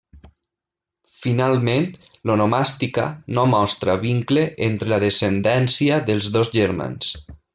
Finalment l'onomàstica no mostra vincle entre la descendència dels dos germans.